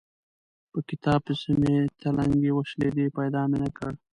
په کتاب پسې مې تلنګې وشلېدې؛ پيدا مې نه کړ.